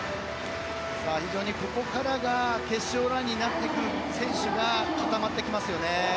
ここからが決勝になってくる選手が固まってきますよね。